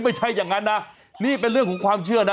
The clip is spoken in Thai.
ไม่ใช่อย่างนั้นนะนี่เป็นเรื่องของความเชื่อนะ